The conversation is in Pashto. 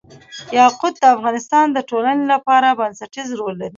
یاقوت د افغانستان د ټولنې لپاره بنسټيز رول لري.